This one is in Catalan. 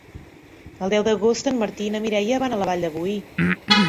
El deu d'agost en Martí i na Mireia van a la Vall de Boí.